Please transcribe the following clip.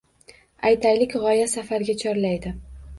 Aytaylik, g‘oya safarga chorlaydi.